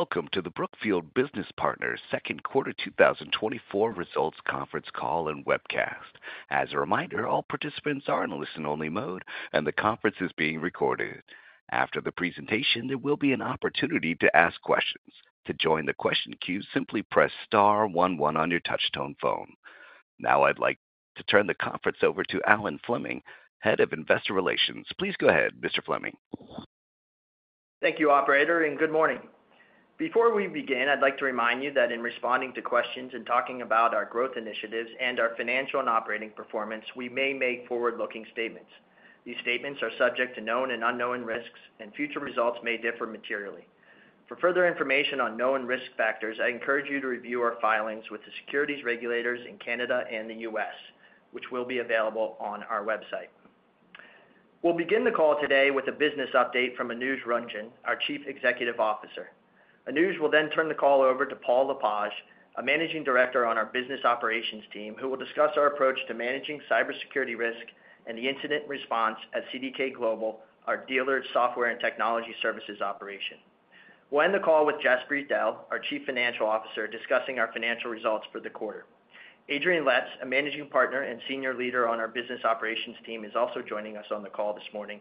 Welcome to the Brookfield Business Partners second quarter 2024 results conference call and webcast. As a reminder, all participants are in listen-only mode, and the conference is being recorded. After the presentation, there will be an opportunity to ask questions. To join the question queue, simply press star 11 on your touch-tone phone. Now, I'd like to turn the conference over to Alan Fleming, Head of Investor Relations. Please go ahead, Mr. Fleming. Thank you, Operator, and good morning. Before we begin, I'd like to remind you that in responding to questions and talking about our growth initiatives and our financial and operating performance, we may make forward-looking statements. These statements are subject to known and unknown risks, and future results may differ materially. For further information on known risk factors, I encourage you to review our filings with the securities regulators in Canada and the U.S., which will be available on our website. We'll begin the call today with a business update from Anuj Ranjan, our Chief Executive Officer. Anuj will then turn the call over to Paul Lepage, a Managing Director on our Business Operations team, who will discuss our approach to managing cybersecurity risk and the incident response at CDK Global, our dealer software and technology services operation. We'll end the call with Jaspreet Dehl, our Chief Financial Officer, discussing our financial results for the quarter. Adrian Letts, a Managing Partner and Senior Leader on our Business Operations team, is also joining us on the call this morning.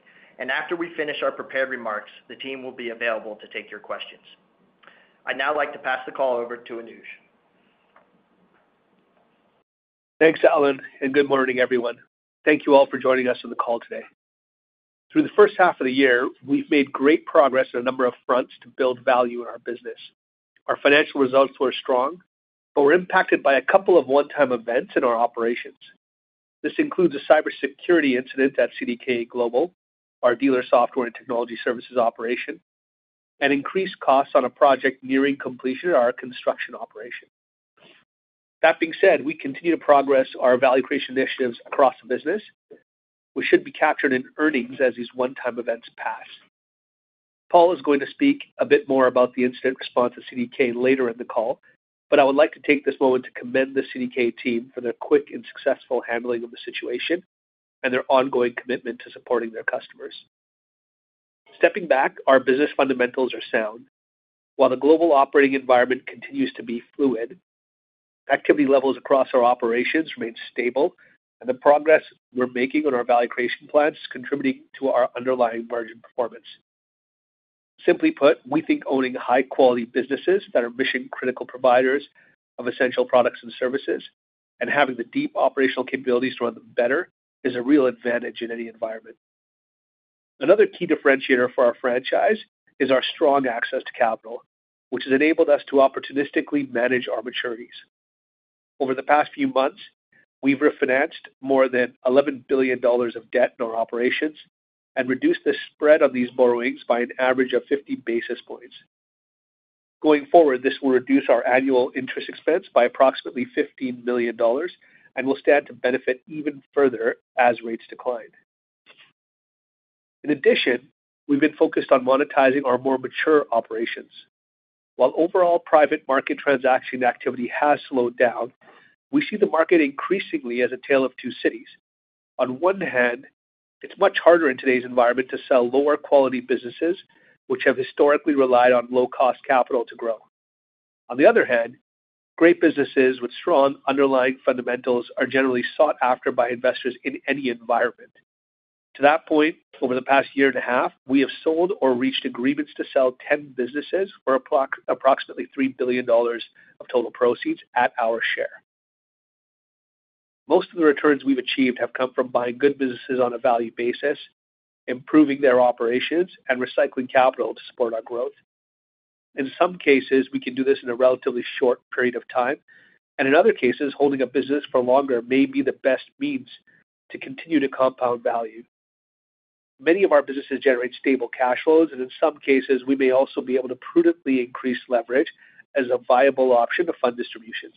After we finish our prepared remarks, the team will be available to take your questions. I'd now like to pass the call over to Anuj. Thanks, Alan, and good morning, everyone. Thank you all for joining us on the call today. Through the first half of the year, we've made great progress on a number of fronts to build value in our business. Our financial results were strong, but we're impacted by a couple of one-time events in our operations. This includes a cybersecurity incident at CDK Global, our dealer software and technology services operation, and increased costs on a project nearing completion in our construction operation. That being said, we continue to progress our value creation initiatives across the business, which should be captured in earnings as these one-time events pass. Paul is going to speak a bit more about the incident response at CDK later in the call, but I would like to take this moment to commend the CDK team for their quick and successful handling of the situation and their ongoing commitment to supporting their customers. Stepping back, our business fundamentals are sound. While the global operating environment continues to be fluid, activity levels across our operations remain stable, and the progress we're making on our value creation plans is contributing to our underlying margin performance. Simply put, we think owning high-quality businesses that are mission-critical providers of essential products and services and having the deep operational capabilities to run them better is a real advantage in any environment. Another key differentiator for our franchise is our strong access to capital, which has enabled us to opportunistically manage our maturities. Over the past few months, we've refinanced more than $11 billion of debt in our operations and reduced the spread on these borrowings by an average of 50 basis points. Going forward, this will reduce our annual interest expense by approximately $15 million and will stand to benefit even further as rates decline. In addition, we've been focused on monetizing our more mature operations. While overall private market transaction activity has slowed down, we see the market increasingly as a tale of two cities. On one hand, it's much harder in today's environment to sell lower-quality businesses, which have historically relied on low-cost capital to grow. On the other hand, great businesses with strong underlying fundamentals are generally sought after by investors in any environment. To that point, over the past year and a half, we have sold or reached agreements to sell 10 businesses for approximately $3 billion of total proceeds at our share. Most of the returns we've achieved have come from buying good businesses on a value basis, improving their operations, and recycling capital to support our growth. In some cases, we can do this in a relatively short period of time, and in other cases, holding a business for longer may be the best means to continue to compound value. Many of our businesses generate stable cash flows, and in some cases, we may also be able to prudently increase leverage as a viable option to fund distributions.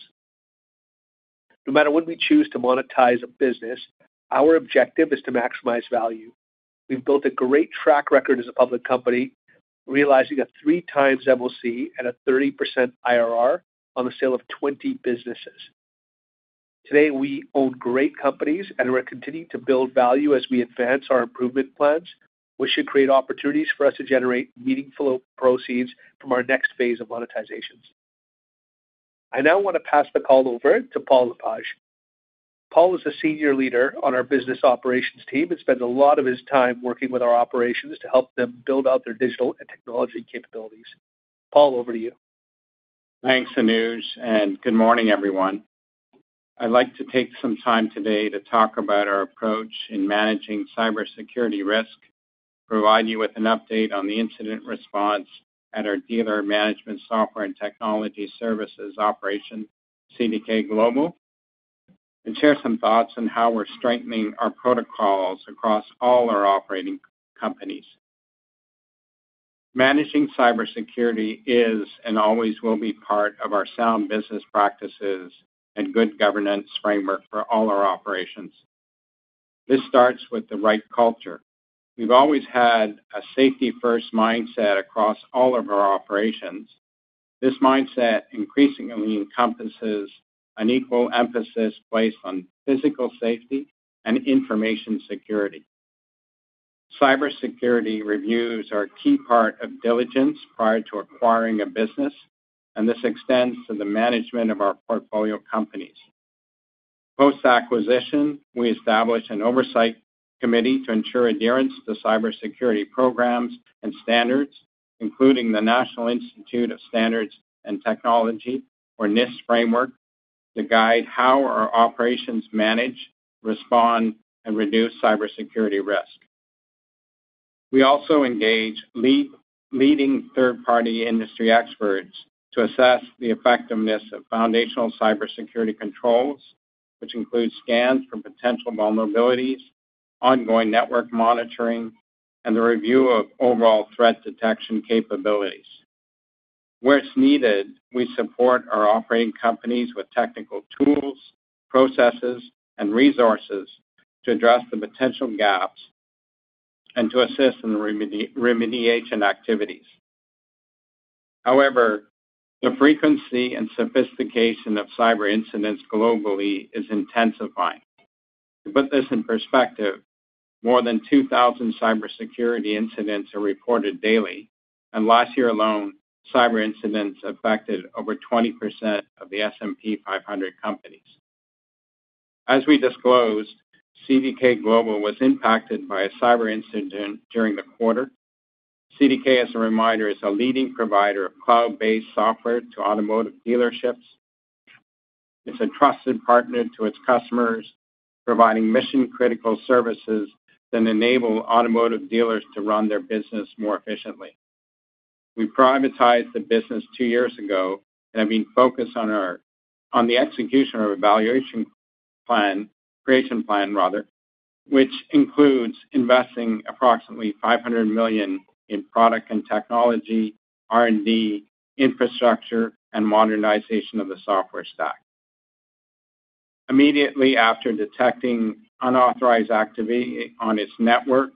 No matter when we choose to monetize a business, our objective is to maximize value. We've built a great track record as a public company, realizing a 3x MOC and a 30% IRR on the sale of 20 businesses. Today, we own great companies, and we're continuing to build value as we advance our improvement plans, which should create opportunities for us to generate meaningful proceeds from our next phase of monetizations. I now want to pass the call over to Paul Lepage. Paul is a Senior Leader on our Business Operations team and spends a lot of his time working with our operations to help them build out their digital and technology capabilities. Paul, over to you. Thanks, Anuj, and good morning, everyone. I'd like to take some time today to talk about our approach in managing cybersecurity risk, provide you with an update on the incident response at our dealer management software and technology services operation, CDK Global, and share some thoughts on how we're strengthening our protocols across all our operating companies. Managing cybersecurity is and always will be part of our sound business practices and good governance framework for all our operations. This starts with the right culture. We've always had a safety-first mindset across all of our operations. This mindset increasingly encompasses an equal emphasis placed on physical safety and information security. Cybersecurity reviews are a key part of diligence prior to acquiring a business, and this extends to the management of our portfolio companies. Post-acquisition, we establish an oversight committee to ensure adherence to cybersecurity programs and standards, including the National Institute of Standards and Technology, or NIST, framework to guide how our operations manage, respond, and reduce cybersecurity risk. We also engage leading third-party industry experts to assess the effectiveness of foundational cybersecurity controls, which includes scans for potential vulnerabilities, ongoing network monitoring, and the review of overall threat detection capabilities. Where it's needed, we support our operating companies with technical tools, processes, and resources to address the potential gaps and to assist in the remediation activities. However, the frequency and sophistication of cyber incidents globally is intensifying. To put this in perspective, more than 2,000 cybersecurity incidents are reported daily, and last year alone, cyber incidents affected over 20% of the S&P 500 companies. As we disclosed, CDK Global was impacted by a cyber incident during the quarter. CDK, as a reminder, is a leading provider of cloud-based software to automotive dealerships. It's a trusted partner to its customers, providing mission-critical services that enable automotive dealers to run their business more efficiently. We privatized the business two years ago and have been focused on the execution of our evaluation plan, creation plan, rather, which includes investing approximately $500 million in product and technology, R&D, infrastructure, and modernization of the software stack. Immediately after detecting unauthorized activity on its network,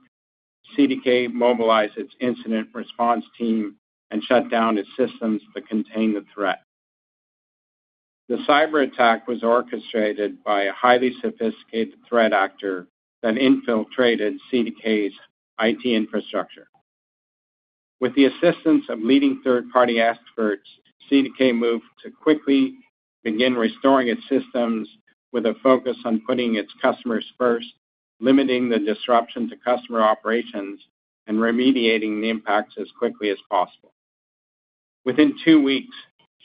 CDK mobilized its incident response team and shut down its systems to contain the threat. The cyber attack was orchestrated by a highly sophisticated threat actor that infiltrated CDK's IT infrastructure. With the assistance of leading third-party experts, CDK moved to quickly begin restoring its systems with a focus on putting its customers first, limiting the disruption to customer operations, and remediating the impacts as quickly as possible. Within two weeks,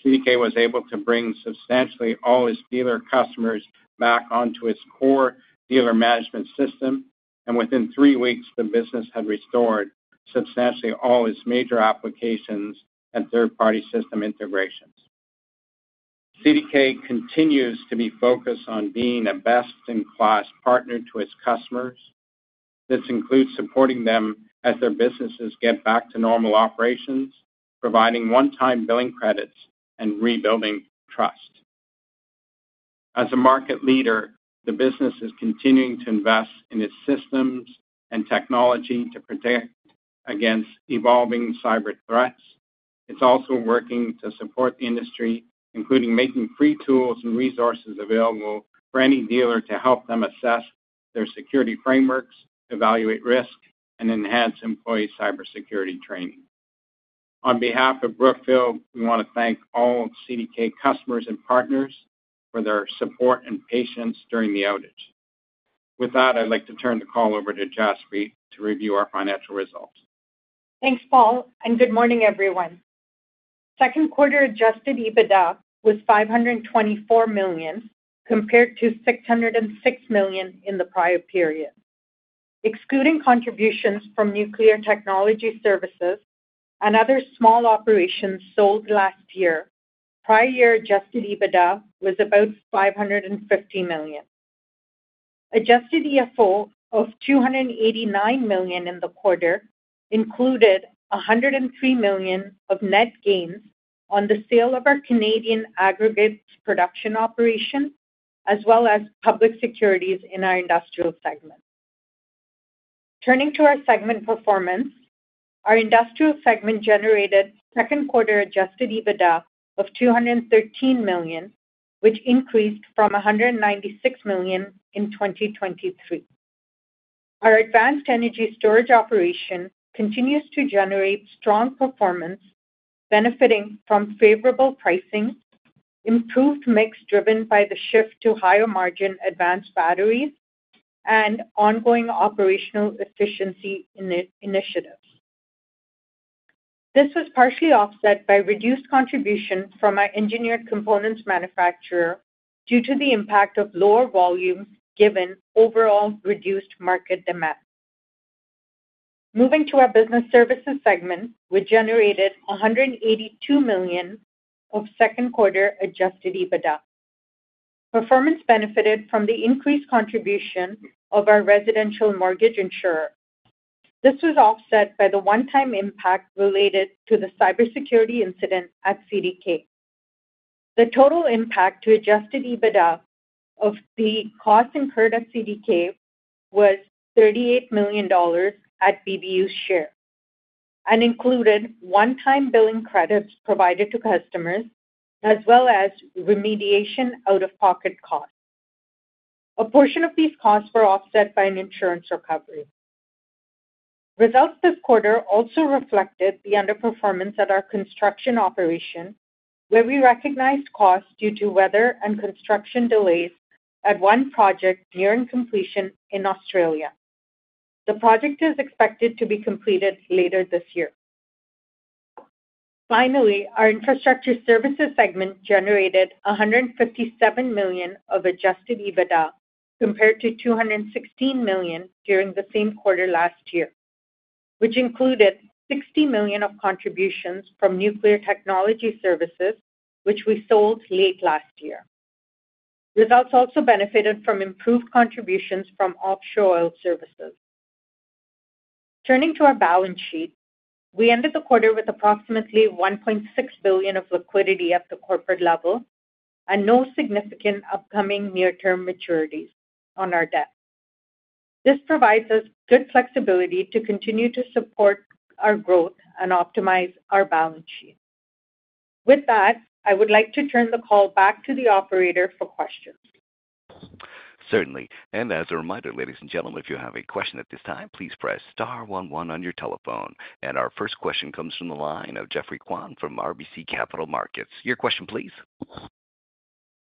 CDK was able to bring substantially all its dealer customers back onto its core dealer management system, and within three weeks, the business had restored substantially all its major applications and third-party system integrations. CDK continues to be focused on being a best-in-class partner to its customers. This includes supporting them as their businesses get back to normal operations, providing one-time billing credits, and rebuilding trust. As a market leader, the business is continuing to invest in its systems and technology to protect against evolving cyber threats. It's also working to support the industry, including making free tools and resources available for any dealer to help them assess their security frameworks, evaluate risk, and enhance employee cybersecurity training. On behalf of Brookfield, we want to thank all CDK customers and partners for their support and patience during the outage. With that, I'd like to turn the call over to Jaspreet to review our financial results. Thanks, Paul, and good morning, everyone. Second quarter adjusted EBITDA was $524 million compared to $606 million in the prior period. Excluding contributions from nuclear technology services and other small operations sold last year, prior year adjusted EBITDA was about $550 million. Adjusted EFO of $289 million in the quarter included $103 million of net gains on the sale of our Canadian aggregate production operation, as well as public securities in our industrial segment. Turning to our segment performance, our industrial segment generated second quarter adjusted EBITDA of $213 million, which increased from $196 million in 2023. Our advanced energy storage operation continues to generate strong performance, benefiting from favorable pricing, improved mix driven by the shift to higher-margin advanced batteries, and ongoing operational efficiency initiatives. This was partially offset by reduced contribution from our engineered components manufacturer due to the impact of lower volumes given overall reduced market demand. Moving to our business services segment, we generated $182 million of second quarter adjusted EBITDA. Performance benefited from the increased contribution of our residential mortgage insurer. This was offset by the one-time impact related to the cybersecurity incident at CDK. The total impact to adjusted EBITDA of the cost incurred at CDK was $38 million at BBU's share and included one-time billing credits provided to customers, as well as remediation out-of-pocket costs. A portion of these costs were offset by an insurance recovery. Results this quarter also reflected the underperformance at our construction operation, where we recognized costs due to weather and construction delays at one project nearing completion in Australia. The project is expected to be completed later this year. Finally, our infrastructure services segment generated $157 million of Adjusted EBITDA compared to $216 million during the same quarter last year, which included $60 million of contributions from nuclear technology services, which we sold late last year. Results also benefited from improved contributions from offshore oil services. Turning to our balance sheet, we ended the quarter with approximately $1.6 billion of liquidity at the corporate level and no significant upcoming near-term maturities on our debt. This provides us good flexibility to continue to support our growth and optimize our balance sheet. With that, I would like to turn the call back to the operator for questions. Certainly. As a reminder, ladies and gentlemen, if you have a question at this time, please press star 11 on your telephone. Our first question comes from the line of Geoffrey Kwan from RBC Capital Markets. Your question, please.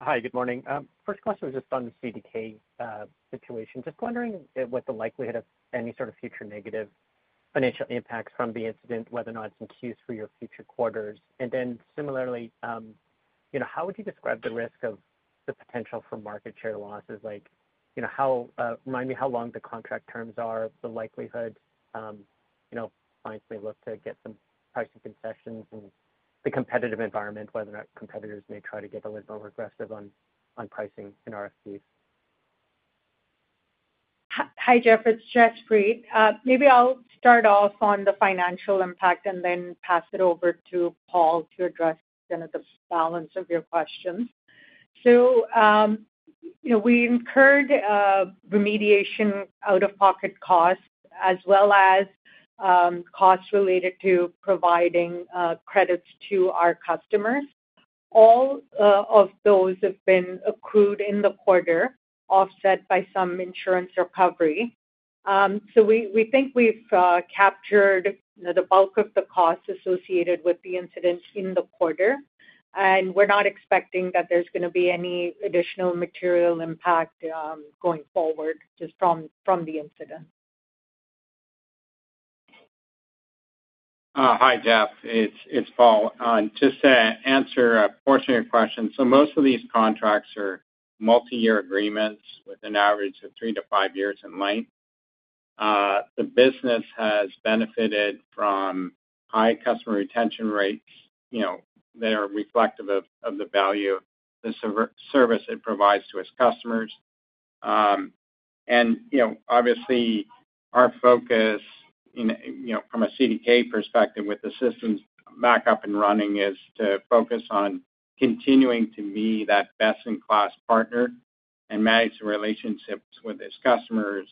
Hi, good morning. First question was just on the CDK situation. Just wondering what the likelihood of any sort of future negative financial impacts from the incident, whether or not it's in accruals for your future quarters? And then similarly, how would you describe the risk of the potential for market share losses? Remind me how long the contract terms are, the likelihood clients may look to get some pricing concessions, and the competitive environment, whether or not competitors may try to get a little more aggressive on pricing in RFPs? Hi, Jeff. It's Jaspreet. Maybe I'll start off on the financial impact and then pass it over to Paul to address the balance of your questions. So we incurred remediation out-of-pocket costs as well as costs related to providing credits to our customers. All of those have been accrued in the quarter, offset by some insurance recovery. So we think we've captured the bulk of the costs associated with the incident in the quarter, and we're not expecting that there's going to be any additional material impact going forward just from the incident. Hi, Jeff. It's Paul. Just to answer a portion of your question, so most of these contracts are multi-year agreements with an average of 3-5 years in length. The business has benefited from high customer retention rates that are reflective of the value of the service it provides to its customers. And obviously, our focus from a CDK perspective with the systems back up and running is to focus on continuing to be that best-in-class partner and manage the relationships with its customers.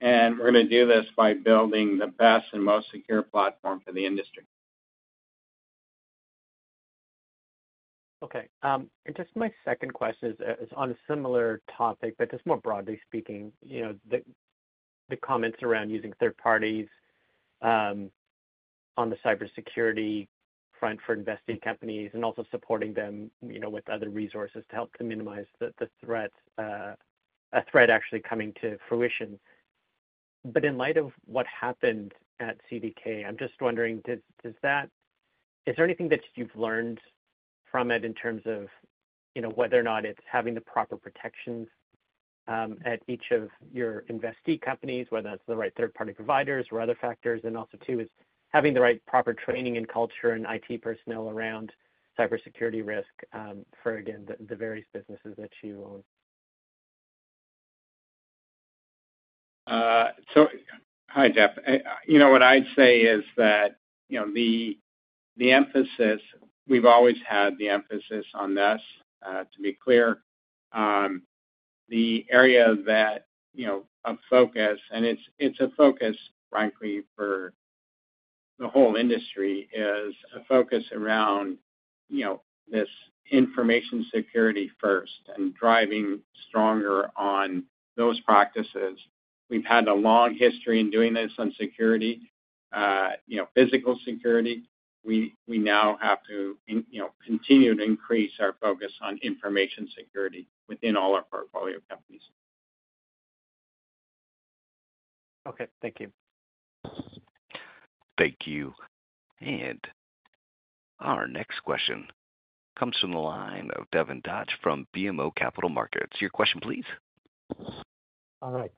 And we're going to do this by building the best and most secure platform for the industry. Okay. And just my second question is on a similar topic, but just more broadly speaking, the comments around using third parties on the cybersecurity front for investee companies and also supporting them with other resources to help to minimize the threat, a threat actually coming to fruition. But in light of what happened at CDK, I'm just wondering, is there anything that you've learned from it in terms of whether or not it's having the proper protections at each of your investee companies, whether that's the right third-party providers or other factors? And also too, is having the right proper training and culture and IT personnel around cybersecurity risk for, again, the various businesses that you own? So hi, Jeff. You know what I'd say is that the emphasis, we've always had the emphasis on this, to be clear. The area of focus, and it's a focus, frankly, for the whole industry, is a focus around this information security first and driving stronger on those practices. We've had a long history in doing this on security, physical security. We now have to continue to increase our focus on information security within all our portfolio companies. Okay. Thank you. Thank you. And our next question comes from the line of Devin Dodge from BMO Capital Markets. Your question, please. All right.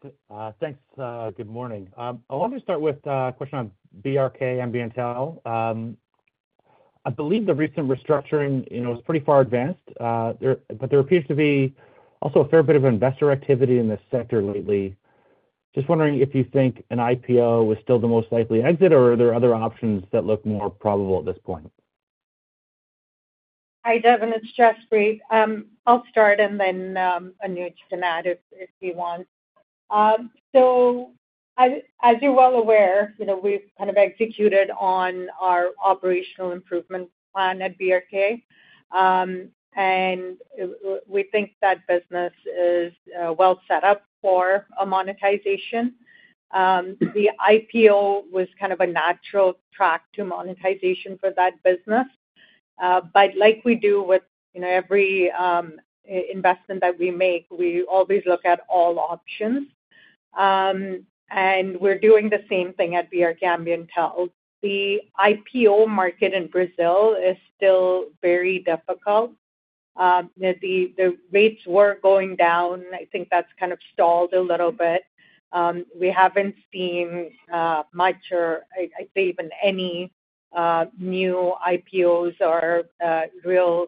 Thanks. Good morning. I wanted to start with a question on BRK Ambiental. I believe the recent restructuring was pretty far advanced, but there appears to be also a fair bit of investor activity in this sector lately. Just wondering if you think an IPO was still the most likely exit, or are there other options that look more probable at this point? Hi, Devin. It's Jaspreet. I'll start, and then Anuj can add if he wants. So as you're well aware, we've kind of executed on our operational improvement plan at BRK, and we think that business is well set up for a monetization. The IPO was kind of a natural track to monetization for that business. But like we do with every investment that we make, we always look at all options. And we're doing the same thing at BRK Ambiental. The IPO market in Brazil is still very difficult. The rates were going down. I think that's kind of stalled a little bit. We haven't seen much or, I'd say, even any new IPOs or real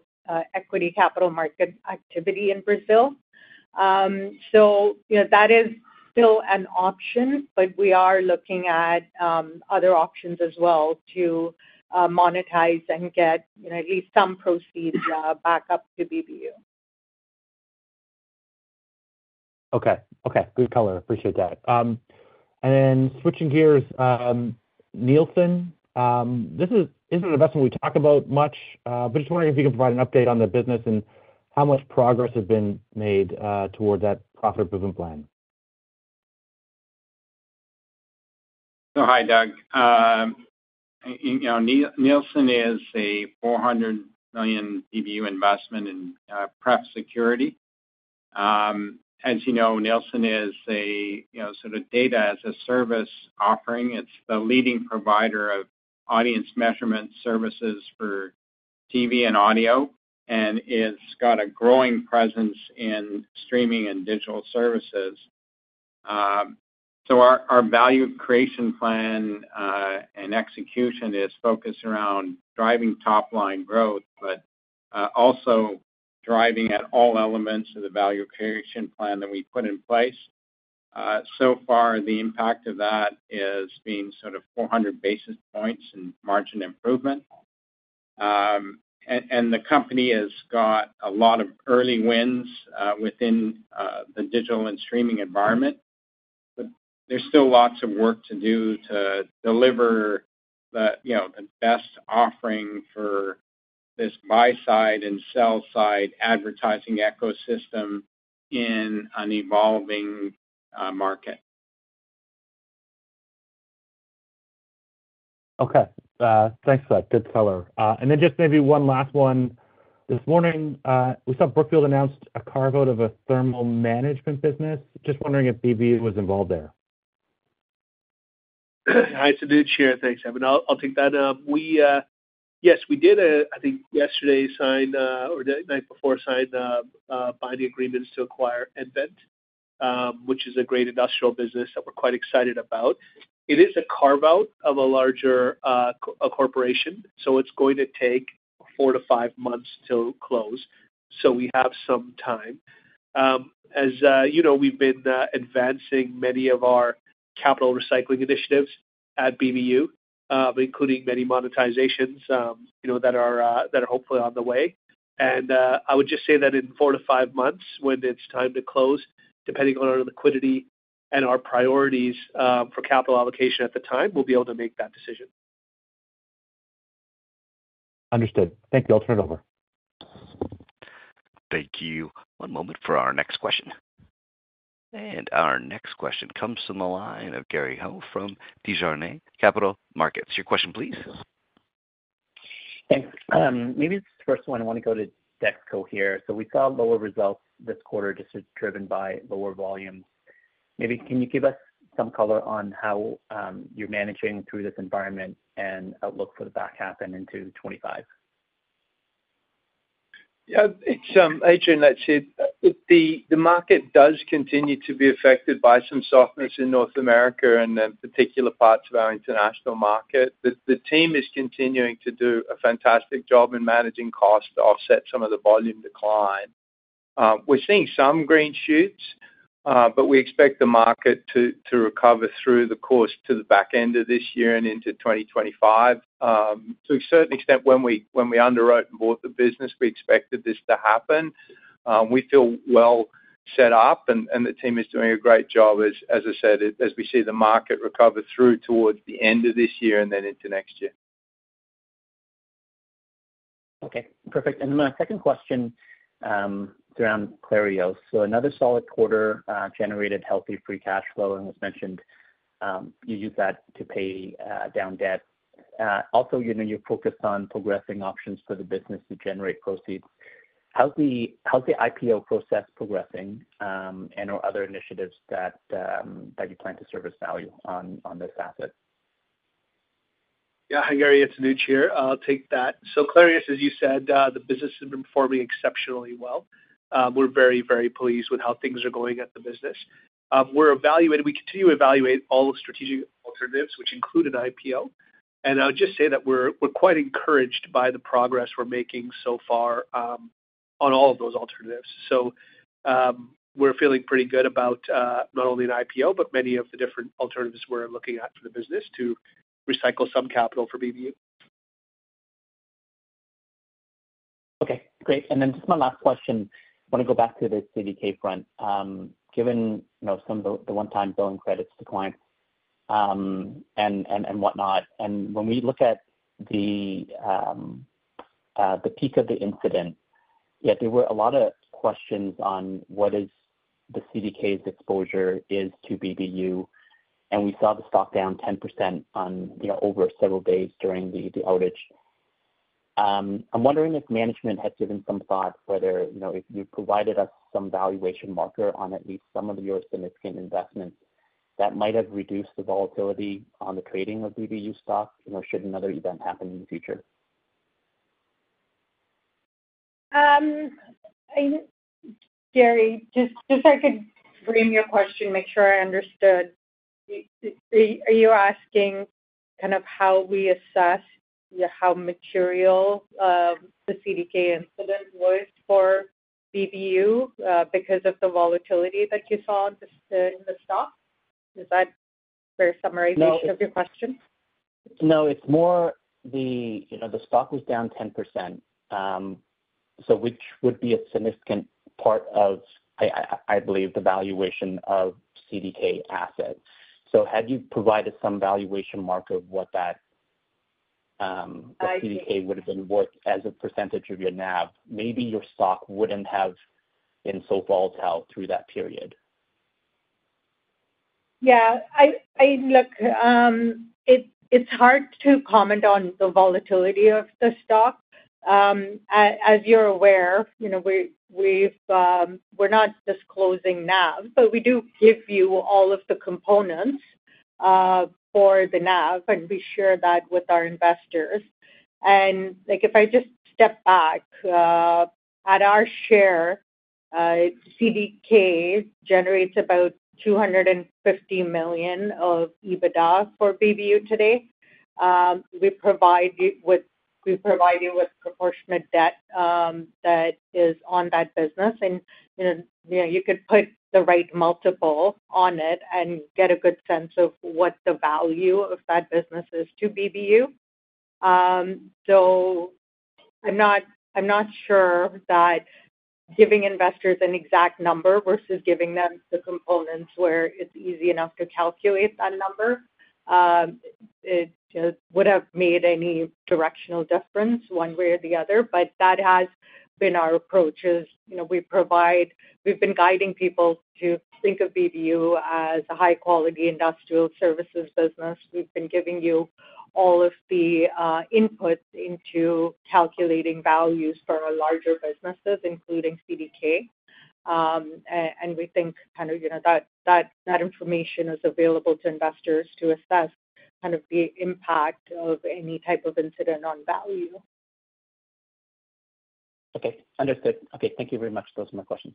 equity capital market activity in Brazil. So that is still an option, but we are looking at other options as well to monetize and get at least some proceeds back up to BBU. Okay. Okay. Good color. Appreciate that. And then switching gears, Nielsen, this isn't an investment we talk about much, but just wondering if you can provide an update on the business and how much progress has been made toward that profit improvement plan. So hi, Doug. Nielsen is a $400 million BBU investment in prep security. As you know, Nielsen is a sort of data-as-a-service offering. It's the leading provider of audience measurement services for TV and audio, and it's got a growing presence in streaming and digital services. So our value creation plan and execution is focused around driving top-line growth, but also driving at all elements of the value creation plan that we put in place. So far, the impact of that is being sort of 400 basis points in margin improvement. And the company has got a lot of early wins within the digital and streaming environment, but there's still lots of work to do to deliver the best offering for this buy-side and sell-side advertising ecosystem in an evolving market. Okay. Thanks for that. Good color. And then just maybe one last one. This morning, we saw Brookfield announced a carve-out of a thermal management business. Just wondering if BBU was involved there. Hi, it's Anuj here. Thanks, Evan. I'll take that. Yes, we did, I think, yesterday signed or the night before signed binding agreements to acquire nVent, which is a great industrial business that we're quite excited about. It is a carve-out of a larger corporation, so it's going to take 4-5 months to close. So we have some time. As you know, we've been advancing many of our capital recycling initiatives at BBU, including many monetizations that are hopefully on the way. And I would just say that in 4-5 months, when it's time to close, depending on our liquidity and our priorities for capital allocation at the time, we'll be able to make that decision. Understood. Thank you. I'll turn it over. Thank you. One moment for our next question. Our next question comes from the line of Gary Ho from Desjardins Capital Markets. Your question, please. Thanks. Maybe it's the first one. I want to go to DexKo here. So we saw lower results this quarter just driven by lower volumes. Maybe can you give us some color on how you're managing through this environment and outlook for the back half and into 2025? Yeah. Adrian, I'd say the market does continue to be affected by some softness in North America and in particular parts of our international market. The team is continuing to do a fantastic job in managing costs to offset some of the volume decline. We're seeing some green shoots, but we expect the market to recover through the course to the back end of this year and into 2025. To a certain extent, when we underwrote and bought the business, we expected this to happen. We feel well set up, and the team is doing a great job, as I said, as we see the market recover through towards the end of this year and then into next year. Okay. Perfect. And then my second question is around Clarios. So another solid quarter generated healthy free cash flow, and as mentioned, you use that to pay down debt. Also, you're focused on progressing options for the business to generate proceeds. How's the IPO process progressing and/or other initiatives that you plan to service value on this asset? Yeah. Hi, Gary. It's Anuj here. I'll take that. So Clarios, as you said, the business has been performing exceptionally well. We're very, very pleased with how things are going at the business. We continue to evaluate all the strategic alternatives, which included IPO. And I would just say that we're quite encouraged by the progress we're making so far on all of those alternatives. So we're feeling pretty good about not only an IPO, but many of the different alternatives we're looking at for the business to recycle some capital for BBU. Okay. Great. And then just my last question. I want to go back to the CDK front. Given some of the one-time billing credits to clients and whatnot, and when we look at the peak of the incident, there were a lot of questions on what the CDK's exposure is to BBU, and we saw the stock down 10% over several days during the outage. I'm wondering if management had given some thought whether if you provided us some valuation marker on at least some of your significant investments, that might have reduced the volatility on the trading of BBU stock should another event happen in the future. Gary, just so I could frame your question, make sure I understood. Are you asking kind of how we assess how material the CDK incident was for BBU because of the volatility that you saw in the stock? Is that a fair summarization of your question? No. It's more the stock was down 10%, which would be a significant part of, I believe, the valuation of CDK assets. So had you provided some valuation marker of what that CDK would have been worth as a percentage of your NAV, maybe your stock wouldn't have been so volatile through that period. Yeah. Look, it's hard to comment on the volatility of the stock. As you're aware, we're not disclosing NAV, but we do give you all of the components for the NAV, and we share that with our investors. And if I just step back, at our share, CDK generates about $250 million of EBITDA for BBU today. We provide you with proportionate debt that is on that business, and you could put the right multiple on it and get a good sense of what the value of that business is to BBU. So I'm not sure that giving investors an exact number versus giving them the components where it's easy enough to calculate that number would have made any directional difference one way or the other. But that has been our approach. We've been guiding people to think of BBU as a high-quality industrial services business. We've been giving you all of the input into calculating values for our larger businesses, including CDK. And we think kind of that information is available to investors to assess kind of the impact of any type of incident on value. Okay. Understood. Okay. Thank you very much. Those are my questions.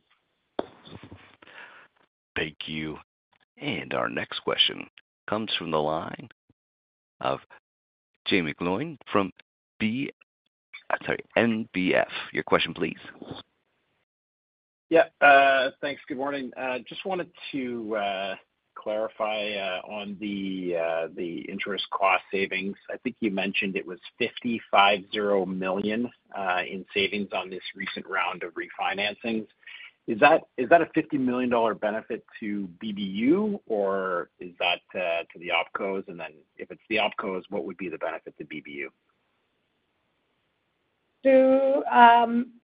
Thank you. Our next question comes from the line of Jaeme Gloyn from NBF. Your question, please. Yeah. Thanks. Good morning. Just wanted to clarify on the interest cost savings. I think you mentioned it was $5,500 million in savings on this recent round of refinancings. Is that a $50 million benefit to BBU, or is that to the Opcos? And then if it's the Opcos, what would be the benefit to BBU?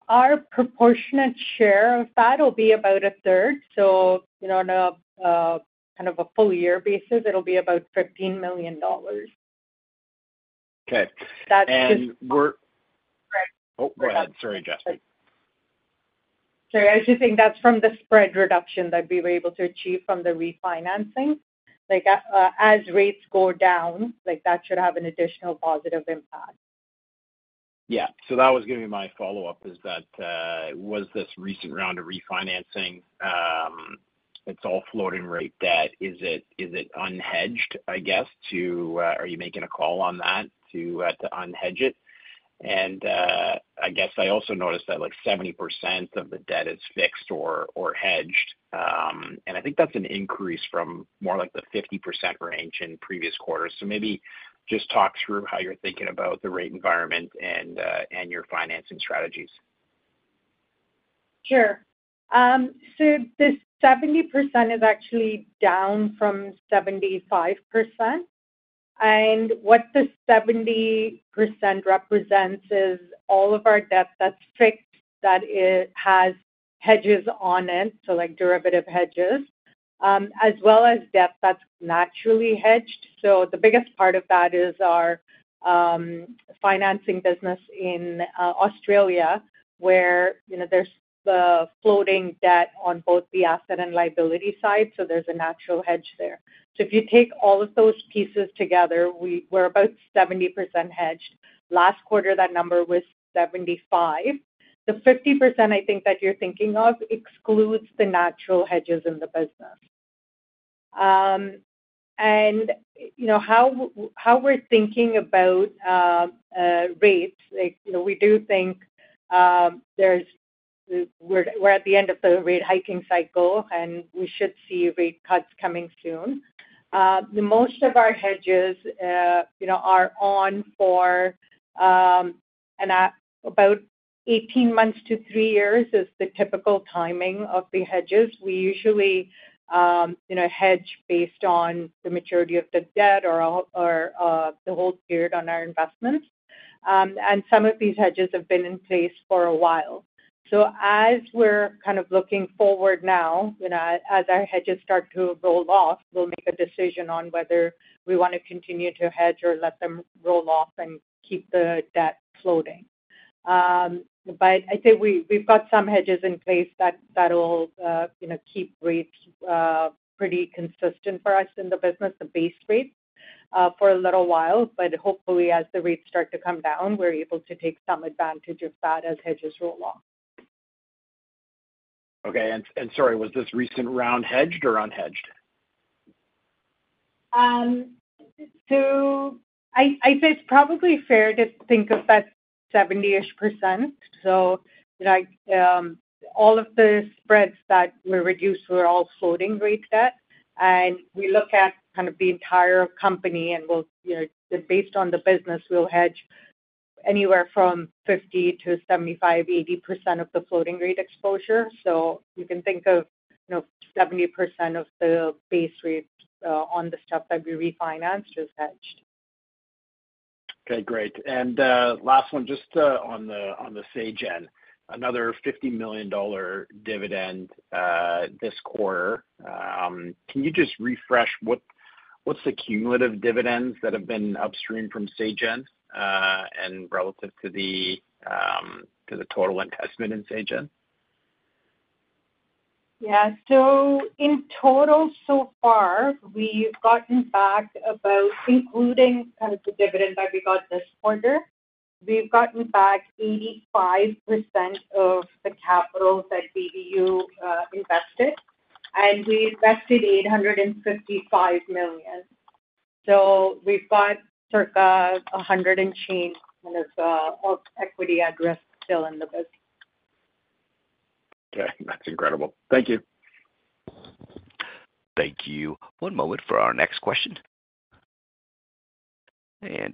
Our proportionate share of that will be about a third. On a kind of a full-year basis, it'll be about $15 million. Okay. And we're. Oh, go ahead. Sorry, Jaspreet. Sorry. I was just saying that's from the spread reduction that we were able to achieve from the refinancing. As rates go down, that should have an additional positive impact. Yeah. So that was going to be my follow-up is that was this recent round of refinancing, it's all floating rate debt. Is it unhedged, I guess, to are you making a call on that to unhedge it? And I guess I also noticed that 70% of the debt is fixed or hedged. And I think that's an increase from more like the 50% range in previous quarters. So maybe just talk through how you're thinking about the rate environment and your financing strategies. Sure. So this 70% is actually down from 75%. And what the 70% represents is all of our debt that's fixed that has hedges on it, so derivative hedges, as well as debt that's naturally hedged. So the biggest part of that is our financing business in Australia, where there's floating debt on both the asset and liability side. So there's a natural hedge there. So if you take all of those pieces together, we're about 70% hedged. Last quarter, that number was 75. The 50% I think that you're thinking of excludes the natural hedges in the business. And how we're thinking about rates, we do think we're at the end of the rate-hiking cycle, and we should see rate cuts coming soon. Most of our hedges are on for about 18 months to three years is the typical timing of the hedges. We usually hedge based on the maturity of the debt or the hold period on our investments. Some of these hedges have been in place for a while. As we're kind of looking forward now, as our hedges start to roll off, we'll make a decision on whether we want to continue to hedge or let them roll off and keep the debt floating. I think we've got some hedges in place that'll keep rates pretty consistent for us in the business, the base rates for a little while. Hopefully, as the rates start to come down, we're able to take some advantage of that as hedges roll off. Okay. Sorry, was this recent round hedged or unhedged? So I think it's probably fair to think of that 70-ish%. So all of the spreads that were reduced were all floating rate debt. And we look at kind of the entire company, and based on the business, we'll hedge anywhere from 50%-75%, 80% of the floating rate exposure. So you can think of 70% of the base rate on the stuff that we refinanced is hedged. Okay. Great. And last one, just on the Sagen, another $50 million dividend this quarter. Can you just refresh what's the cumulative dividends that have been upstream from Sagen and relative to the total investment in Sagen? Yeah. So in total, so far, we've gotten back about, including kind of the dividend that we got this quarter, we've gotten back 85% of the capital that BBU invested. And we invested $855 million. So we've got circa 100 and change of equity at risk still in the business. Okay. That's incredible. Thank you. Thank you. One moment for our next question.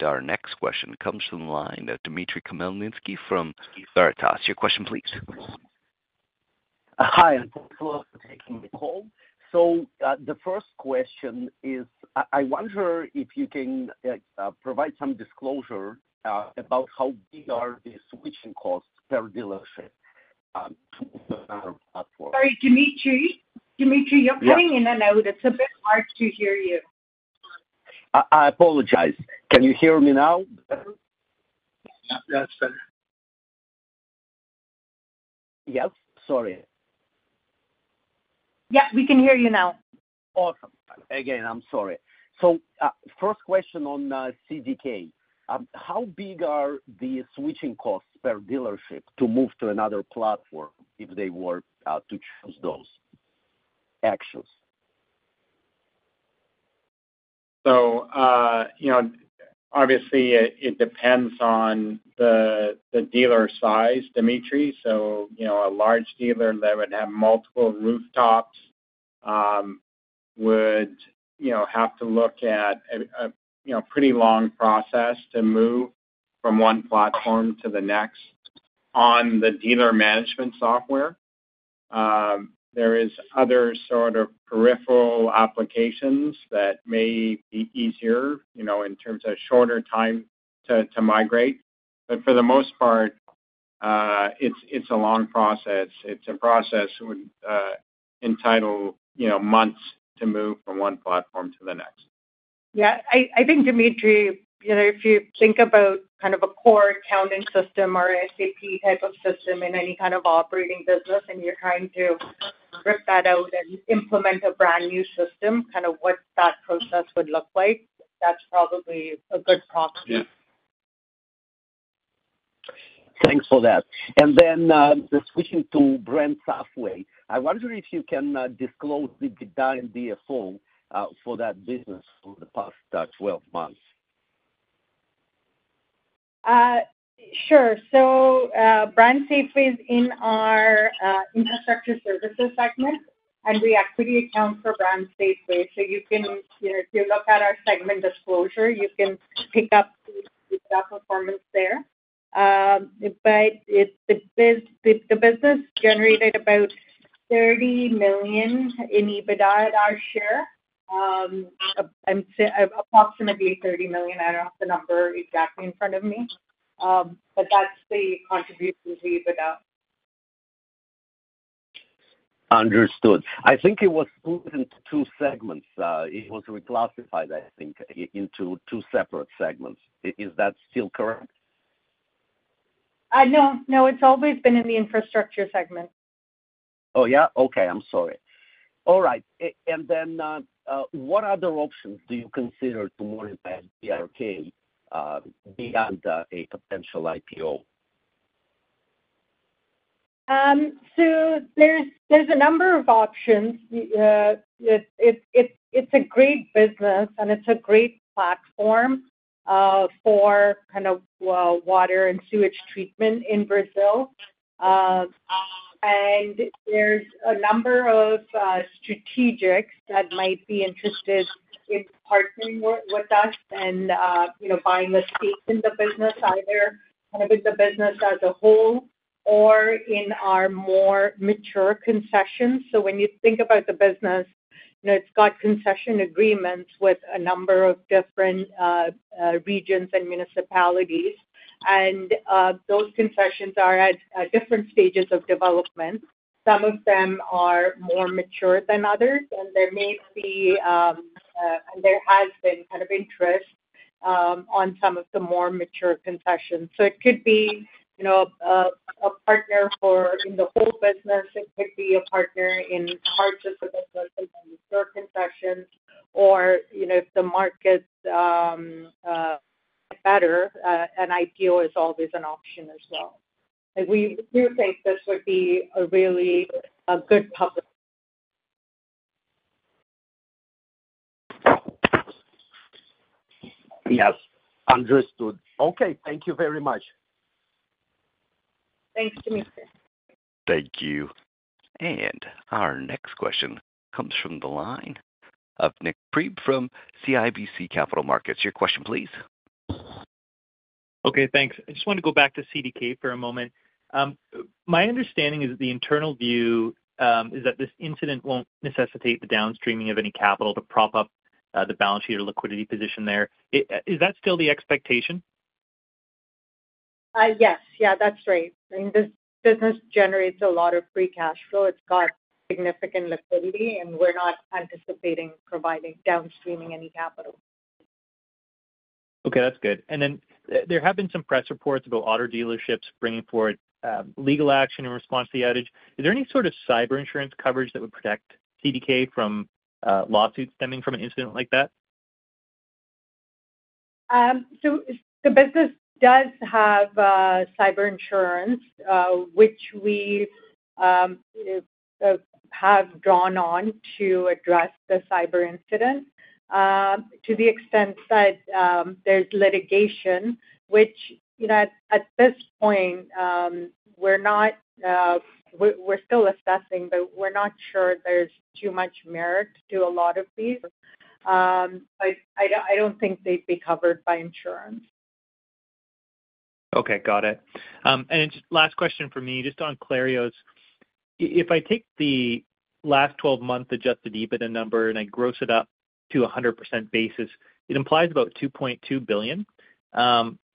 Our next question comes from the line of Dimitry Khmelnitsky from Veritas Investment Research. Your question, please. Hi. Thanks for taking the call. The first question is, I wonder if you can provide some disclosure about how big are the switching costs per dealership to another platform? Sorry, Dimitry. Dimitry, you're cutting in and out. It's a bit hard to hear you. I apologize. Can you hear me now? Yep. That's better. Yep. Sorry. Yep. We can hear you now. Awesome. Again, I'm sorry. First question on CDK. How big are the switching costs per dealership to move to another platform if they were to choose those actions? So obviously, it depends on the dealer size, Dimitry. So a large dealer that would have multiple rooftops would have to look at a pretty long process to move from one platform to the next on the dealer management software. There are other sort of peripheral applications that may be easier in terms of shorter time to migrate. But for the most part, it's a long process. It's a process that would entail months to move from one platform to the next. Yeah. I think, Dimitry, if you think about kind of a core accounting system or SAP type of system in any kind of operating business, and you're trying to rip that out and implement a brand new system, kind of what that process would look like, that's probably a good proxy. Yeah. Thanks for that. And then switching to BrandSafway, I wonder if you can disclose the adjusted EFO for that business over the past 12 months? Sure. So BrandSafway is in our infrastructure services segment, and we equity account for BrandSafway. So if you look at our segment disclosure, you can pick up the performance there. But the business generated about $30 million in EBITDA at our share, approximately $30 million. I don't have the number exactly in front of me, but that's the contribution to EBITDA. Understood. I think it was split into two segments. It was reclassified, I think, into two separate segments. Is that still correct? No. No. It's always been in the infrastructure segment. Oh, yeah? Okay. I'm sorry. All right. And then what other options do you consider to monetize BRK beyond a potential IPO? So there's a number of options. It's a great business, and it's a great platform for kind of water and sewage treatment in Brazil. And there's a number of strategics that might be interested in partnering with us and buying the stakes in the business, either kind of in the business as a whole or in our more mature concessions. So when you think about the business, it's got concession agreements with a number of different regions and municipalities. And those concessions are at different stages of development. Some of them are more mature than others, and there may be and there has been kind of interest on some of the more mature concessions. So it could be a partner for in the whole business. It could be a partner in parts of the business and then mature concessions. Or if the markets get better, an IPO is always an option as well. We do think this would be a really good public. Yes. Understood. Okay. Thank you very much. Thanks, Dimitri. Thank you. And our next question comes from the line of Nik Priebe from CIBC Capital Markets. Your question, please. Okay. Thanks. I just wanted to go back to CDK for a moment. My understanding is that the internal view is that this incident won't necessitate the downstreaming of any capital to prop up the balance sheet or liquidity position there. Is that still the expectation? Yes. Yeah. That's right. I mean, this business generates a lot of free cash flow. It's got significant liquidity, and we're not anticipating providing downstreaming any capital. Okay. That's good. And then there have been some press reports about auto dealerships bringing forward legal action in response to the outage. Is there any sort of cyber insurance coverage that would protect CDK from lawsuits stemming from an incident like that? The business does have cyber insurance, which we have drawn on to address the cyber incident to the extent that there's litigation, which at this point, we're still assessing, but we're not sure there's too much merit to a lot of these. But I don't think they'd be covered by insurance. Okay. Got it. And last question for me, just on Clarios. If I take the last 12-month adjusted EBITDA number and I gross it up to a 100% basis, it implies about $2.2 billion.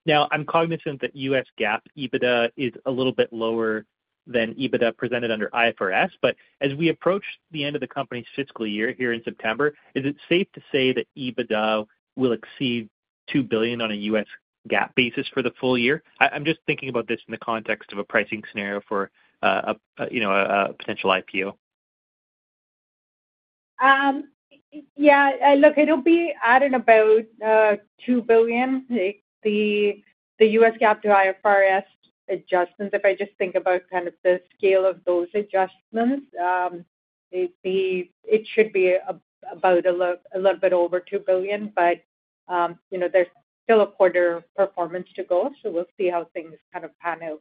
Now, I'm cognizant that US GAAP EBITDA is a little bit lower than EBITDA presented under IFRS. But as we approach the end of the company's fiscal year here in September, is it safe to say that EBITDA will exceed $2 billion on a US GAAP basis for the full year? I'm just thinking about this in the context of a pricing scenario for a potential IPO. Yeah. Look, it'll be at and above $2 billion. The U.S. GAAP to IFRS adjustments, if I just think about kind of the scale of those adjustments, it should be about a little bit over $2 billion. But there's still a quarter of performance to go. So we'll see how things kind of pan out.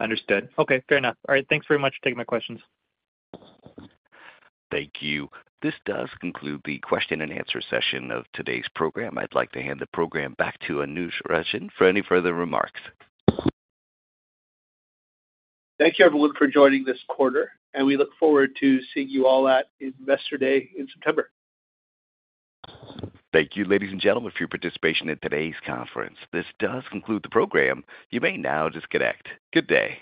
Understood. Okay. Fair enough. All right. Thanks very much for taking my questions. Thank you. This does conclude the question and answer session of today's program. I'd like to hand the program back to Anuj Ranjan for any further remarks. Thank you, everyone, for joining this quarter. We look forward to seeing you all at Investor Day in September. Thank you, ladies and gentlemen, for your participation in today's conference. This does conclude the program. You may now disconnect. Good day.